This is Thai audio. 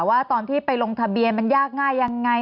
ว่าตอนที่ไปลงทะเบียนมันยากง่ายยังไง